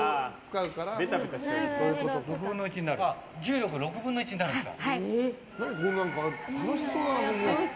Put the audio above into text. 重力、６分の１になるんですか。